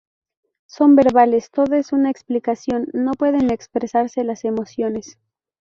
Son verbales, todo es una explicación, no pueden expresarse las emociones.